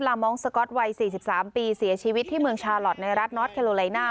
ลามองก์สก็อตวัยสี่สิบสามปีเสียชีวิตที่เมืองชาลอทในรัฐนอตแคโลไลน่า